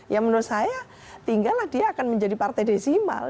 ya menurut saya tinggallah dia akan menjadi partai desimal